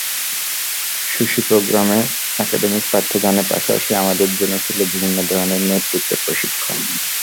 Susi প্রোগ্রামে academic পাঠদানের পাশাপাশি আমাদের জন্য ছিল বিভিন্ন ধরনের নেতৃত্বের প্রশিক্ষণ।